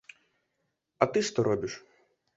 А ты што робіш!